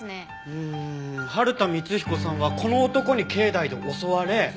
うーん春田光彦さんはこの男に境内で襲われ。